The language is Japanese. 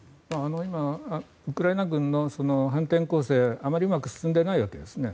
ウクライナ軍の反転攻勢あまりうまく進んでいないんですね。